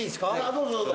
どうぞどうぞ。